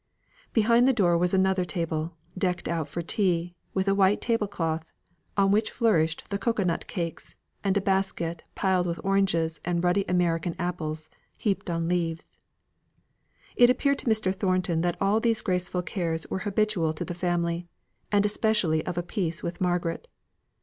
Behind the door was another table decked out for tea, with a white table cloth, on which flourished the cocoa nut cakes, and a basket piled with oranges and ruddy American apples, heaped on leaves. It appeared to Mr. Thornton that all these graceful cares were habitual to the family; and especially of a piece with Margaret.